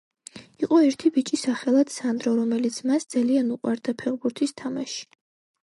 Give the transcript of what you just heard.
იყო ერთი ბიჭი სახელად სანდრო რომელიც მას ძალიან უყვარდა ფეხბურთის თამაში